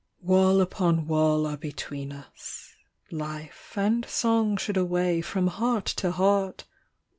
Wall upon wall are between us: life And song should away from heart to heart!